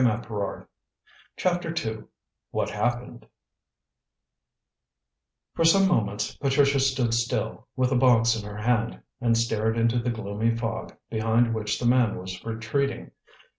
CHAPTER II WHAT HAPPENED For some moments Patricia stood still, with the box in her hand, and stared into the gloomy fog, behind which the man was retreating.